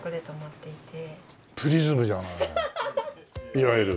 いわゆる。